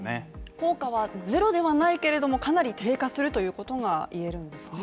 効果はゼロではないけれどもかなり低下するということが言えるんですね